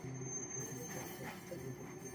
এটি আপনার পাপ, খারাপ কাজকে মোচন করবে।